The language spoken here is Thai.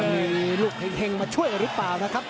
มีลูกเห็งมาช่วยหรือเปล่านะครับ